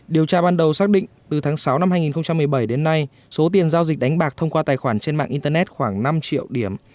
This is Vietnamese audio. điều tra ban đầu xác định từ tháng sáu năm hai nghìn một mươi bảy đến nay số tiền giao dịch đánh bạc thông qua tài khoản trên mạng internet khoảng năm triệu điểm